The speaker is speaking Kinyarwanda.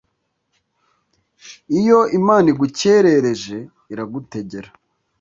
Iyo Imana igukerereje iragutegera